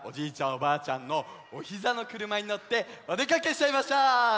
おばあちゃんのおひざのくるまにのっておでかけしちゃいましょう！